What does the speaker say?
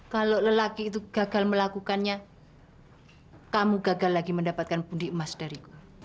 kalau lelaki itu gagal melakukannya kamu gagal lagi mendapatkan pundi emas dariku